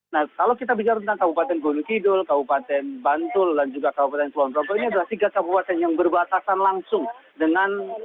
nah kalau kita bicara tentang kabupaten gunung kidul kabupaten bantul dan juga kabupaten kulon progo ini adalah tiga kabupaten yang berbatasan langsung dengan